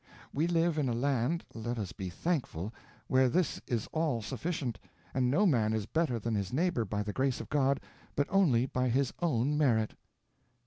We live in a land, let us be thankful, where this is all sufficient, and no man is better than his neighbor by the grace of God, but only by his own merit."